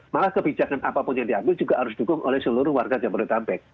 malah kebijakan apapun yang diambil juga harus dihukum oleh seluruh warga jamboree tapek